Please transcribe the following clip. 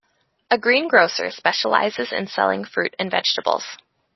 A greengrocer specialises in selling fruit and vegetables